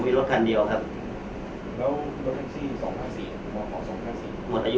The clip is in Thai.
คุณมีรถคันเดียวครับแล้วรถทักซีสองห้าสี่หมอของสองห้าสี่